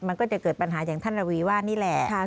มันก็จะเกิดปัญหาอย่างท่านระวีว่านี่แหละ